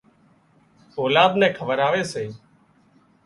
اولاد نين کوَراوي سي